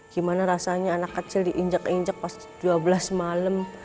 gimana rasanya anak kecil diinjak injak pas dua belas malam